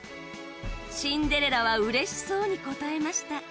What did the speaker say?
シンデレラはうれしそうに答えました。